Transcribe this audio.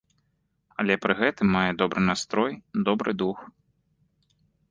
Але пры гэтым мае добры настрой, добры дух.